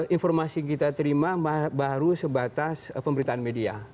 informasi kita terima baru sebatas pemberitaan media